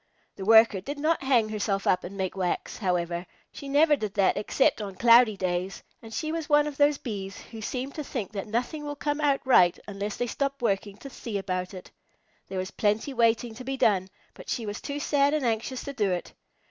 The Worker did not hang herself up and make wax, however. She never did that except on cloudy days, and she was one of those Bees who seem to think that nothing will come out right unless they stop working to see about it. There was plenty waiting to be done, but she was too sad and anxious to do it.